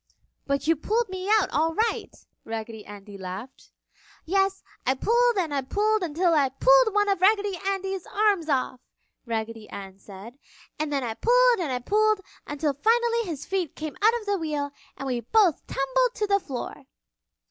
"But you pulled me out all right!" Raggedy Andy laughed. "Yes, I pulled and I pulled until I pulled one of Raggedy Andy's arms off," Raggedy Ann said. "And then I pulled and pulled until finally his feet came out of the wheel and we both tumbled to the floor!"